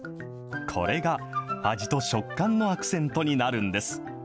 これが味と食感のアクセントになるんです。